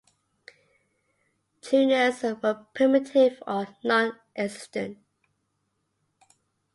Tuners were primitive or nonexistent.